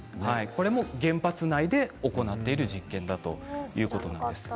これも原発内で行っている実験だということです。